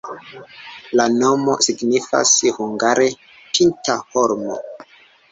La nomo signifas hungare pinta-holmo.